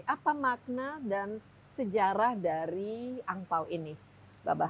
apa makna dan sejarah dari angpao ini babah